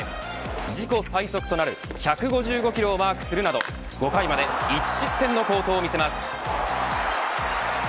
自己最速となる１５５キロをマークするなど５回まで１失点の好投を見せます。